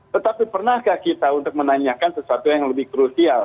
tetapi pernahkah kita untuk menanyakan sesuatu yang lebih krusial